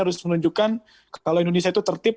harus menunjukkan kalau indonesia itu tertib